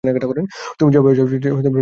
তুমি যেভাবে চাও, ঠিক সেভাবে তৈরি করবে।